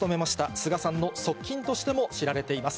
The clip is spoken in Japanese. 菅さんの側近としても知られています。